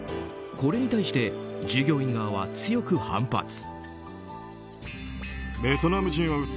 これに対して、従業員側は強く反発。